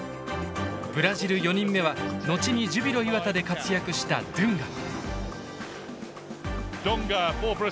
ブラジル４人目は後にジュビロ磐田で活躍したドゥンガ。